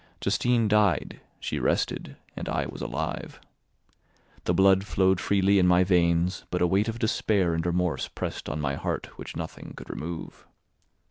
Justine died, she rested, and I was alive. The blood flowed freely in my veins, but a weight of despair and remorse pressed on my heart which nothing could remove.